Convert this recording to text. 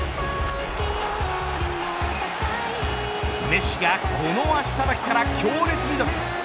メッシが、この足さばきから強烈ミドル。